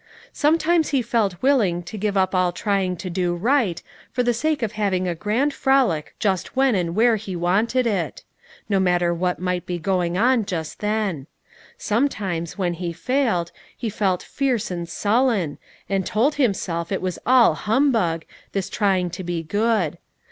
Sometimes he felt willing to give up all trying to do right, for the sake of having a grand frolic just when and where he wanted it, no matter what might be going on just then. Sometimes, when he failed, he felt fierce and sullen, and told himself it was all humbug, this trying to be good.